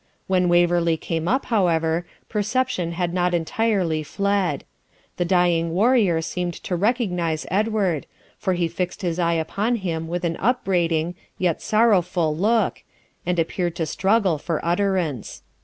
When Waverley came up, however, perception had not entirely fled. The dying warrior seemed to recognize Edward, for he fixed his eye upon him with an upbraiding, yet sorrowful, look, and appeared to struggle, for utterance.